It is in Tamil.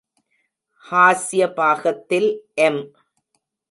ஹாஸ்ய பாகத்தில் எம்.